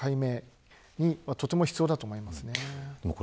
真相解明にとても必要だと思います。